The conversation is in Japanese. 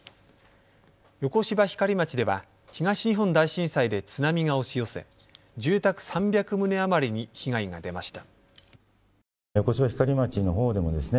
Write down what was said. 横芝光町では東日本大震災で津波が押し寄せ、住宅３００棟余りに被害が出ました。